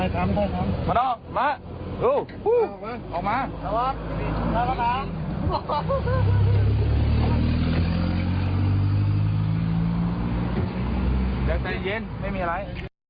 ถ้าต้องมาอื้อออกมาระวังใจเย็นไม่มีอะไร